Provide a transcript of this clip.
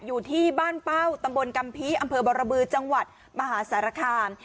อยู่ที่บ้านเป้าตำบลกำพีอำเภอบรบือจังหวัดมหาสารคาม